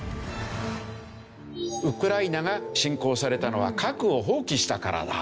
ウクライナが侵攻されたのは核を放棄したからだ。